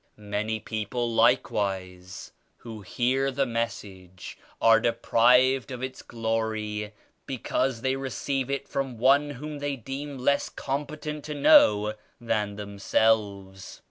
"Many people likewise who hear the Message are deprived of its Glory because they receive it from one whom they deem less competent to know than themselves.